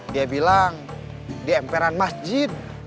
dia bilang di emperan masjid